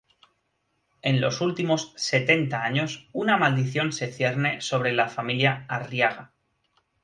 En los últimos setenta años, una maldición se cierne sobre la familia Arriaga.